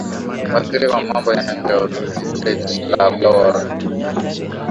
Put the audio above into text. waziri wa mambo ya nje wa urusi sage lavlor